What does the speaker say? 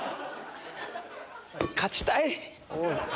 勝ちたい！